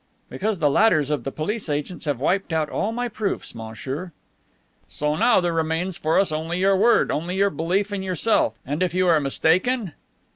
"Because the ladders of the police agents have wiped out all my proofs, monsieur. "So now there remains for us only your word, only your belief in yourself. And if you are mistaken?"